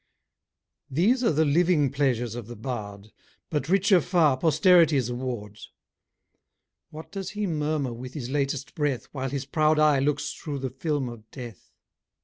These are the living pleasures of the bard: But richer far posterity's award. What does he murmur with his latest breath, While his proud eye looks through the film of death?